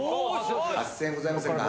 ８，０００円ございませんか？